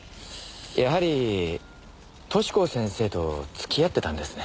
やはり寿子先生と付き合ってたんですね。